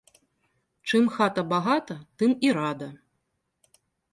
Чым хата багата, тым і рада.